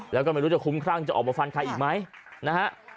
แล้วก็ไม่รู้จะคุ้มครั่งจะออกมาฟันใครอีกไหมนะฮะ